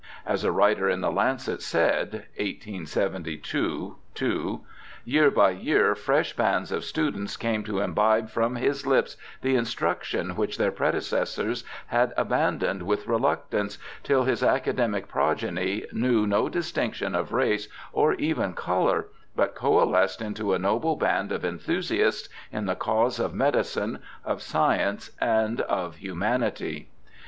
As a writer in the Lancet said (1872, ii), * Year by year fresh bands of students came to imbibe from his lips the instruction which their predecessors had abandoned with reluc tance, till his academic progeny knew no distinction of race or even colour, but coalesced into a noble band of enthusiasts in the cause of medicine, of science, and of humanity.'